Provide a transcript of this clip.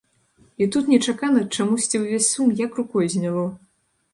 І тут нечакана чамусьці ўвесь сум як рукой зняло.